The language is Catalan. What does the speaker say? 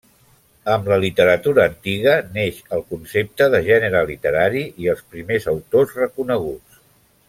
Amb la literatura antiga neix el concepte de gènere literari i els primers autors reconeguts.